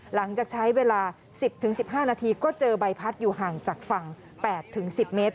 หลังจากใช้เวลา๑๐๑๕นาทีก็เจอใบพัดอยู่ห่างจากฝั่ง๘๑๐เมตร